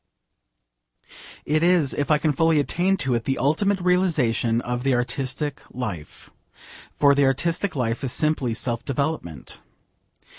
It is, if I can fully attain to it, the ultimate realisation of the artistic life. For the artistic life is simply self development.